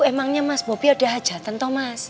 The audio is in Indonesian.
emangnya mas bobi ada hajatan thomas